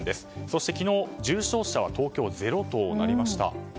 そして昨日、重症者は東京０となりました。